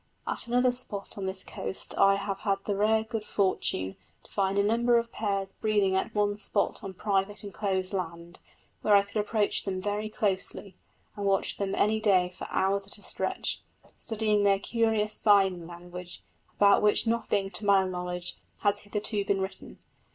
At another spot on this coast I have had the rare good fortune to find a number of pairs breeding at one spot on private enclosed land, where I could approach them very closely, and watch them any day for hours at a stretch, studying their curious sign language, about which nothing, to my knowledge, has hitherto been written.